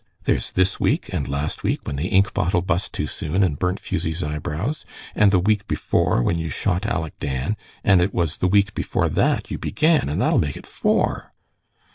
There's this week, and last week when the ink bottle bust too soon and burnt Fusie's eyebrows, and the week before when you shot Aleck Dan, and it was the week before that you began, and that'll make it four."